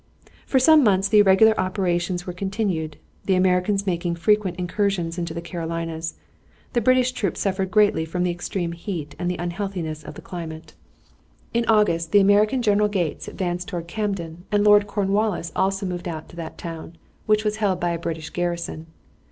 For some months the irregular operations were continued, the Americans making frequent incursions into the Carolinas. The British troops suffered greatly from the extreme heat and the unhealthiness of the climate. In August the American General Gates advanced toward Camden, and Lord Cornwallis also moved out to that town, which was held by a British garrison.